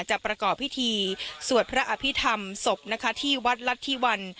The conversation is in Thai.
ประกอบพิธีสวดพระอภิษฐรรมศพนะคะที่วัดรัฐธิวัน